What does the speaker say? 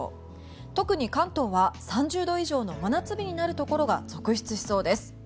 特に関東は３０度以上の真夏日になるところが続出しそうです。